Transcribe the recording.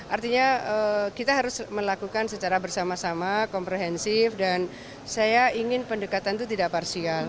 artinya kita harus melakukan secara bersama sama komprehensif dan saya ingin pendekatan itu tidak parsial